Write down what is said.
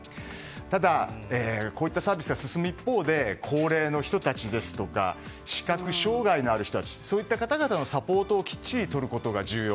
ただ、こういったサービスが進む一方で高齢の人たちですとか視覚障害のある人たちそういった方々のサポートをきっちりとることが重要。